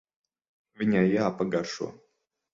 Viņai jāpagaršo.